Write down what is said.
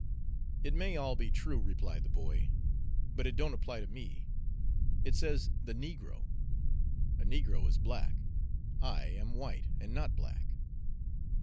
"It may all be true," replied the boy, "but it don't apply to me. It says 'the negro.' A negro is black; I am white, and not black."